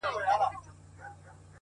ما د دريم ژوند وه اروا ته سجده وکړه ـ